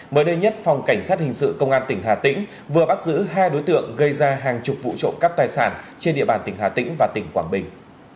mới đây nhất phòng cảnh sát hình sự công an tỉnh hà tĩnh vừa bắt giữ hai đối tượng gây ra hàng chục vụ trộm cắp tài sản trên địa bàn tỉnh hà tĩnh và tỉnh quảng bình